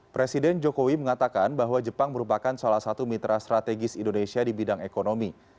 presiden jokowi mengatakan bahwa jepang merupakan salah satu mitra strategis indonesia di bidang ekonomi